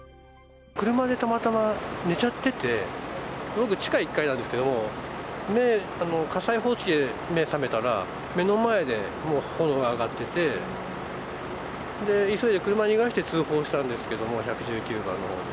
車でたまたま寝ちゃってて、地下１階なんですけども、火災報知機で目覚めたら、目の前でもう炎が上がってて、で、急いで車逃がして通報したんですけど、１１９番のほうに。